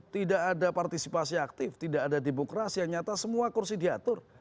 tidak ada partisipasi aktif tidak ada demokrasi yang nyata semua kursi diatur